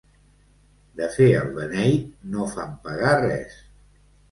De fer el beneit no fan pagar res.